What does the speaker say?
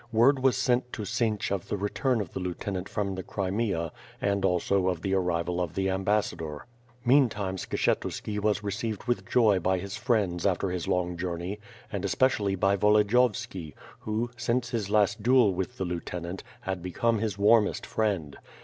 Word was sent to Siench of the return of the lieutenant from the Crimea, and also of the arrival of the ambassador. Meantime Skshetuski was received with joy by his friends after his long journey, and especially by Volodiyovski who, since his last duel with the lieutenant, had become his warmest friend.